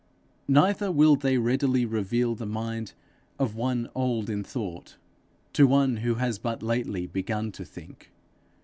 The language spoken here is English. Neither will they readily reveal the mind of one old in thought, to one who has but lately begun to think.